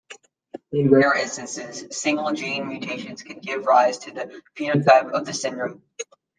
In rare instances, single-gene mutations can give rise to the phenotype of the syndrome.